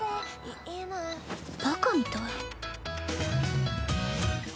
バカみたい。